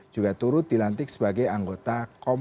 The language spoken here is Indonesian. juga turut dilantik sebagai anggota